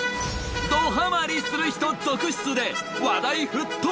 どハマりする人続出で話題沸騰！